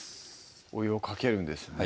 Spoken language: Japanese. お湯をかけるんですね